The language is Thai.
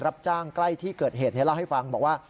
รับจ้างใกล้ที่เกิดเหตุเล่าให้ฟังบอกว่า